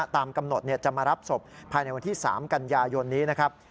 ตามกำหนดจะมารับศพภายในวันที่๓กันยายนนี้นะครับ